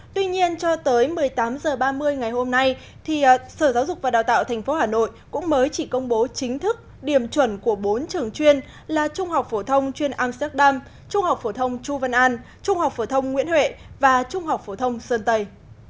tuy nhiên cho tới một mươi tám h ba mươi ngày hôm nay sở giáo dục và đào tạo tp hà nội cũng mới chỉ công bố chính thức điểm chuẩn của bốn trường chuyên là trung học phổ thông chuyên amsterdam trung học phổ thông chu văn an trung học phổ thông nguyễn huệ và trung học phổ thông sơn tây